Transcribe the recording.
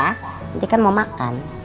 nanti kan mau makan